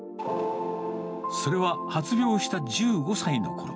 それは発病した１５歳のころ。